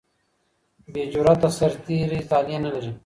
بې جراته سرتیري طالع نه لري.